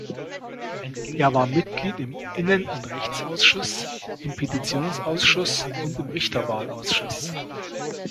Er war Mitglied im Innen- und Rechtsausschuss, im Petitionsausschuss und im Richterwahlausschuss.